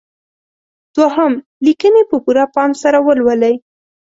دوهم: لیکنې په پوره پام سره ولولئ.